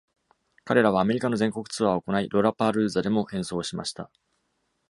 彼らはアメリカの全国ツアーを行い、ロラパルーザでも演奏をしました。